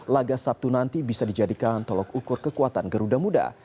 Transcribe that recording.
laga sabtu nanti bisa dijadikan tolok ukur kekuatan garuda muda